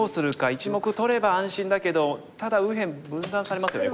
１目取れば安心だけどただ右辺分断されますよね